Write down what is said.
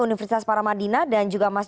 universitas paramadina dan juga mas